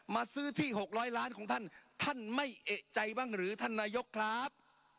ซื้อที่๖๐๐ล้านของท่านท่านไม่เอกใจบ้างหรือท่านนายกครับ